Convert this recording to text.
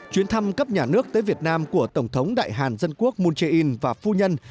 chuyến thăm cấp nhà nước tới việt nam của tổng thống đại hàn dân quốc moon jae in và phu nhân